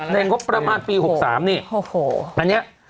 ในงบประมาณปี๖๓เนี่ยอันเนี่ย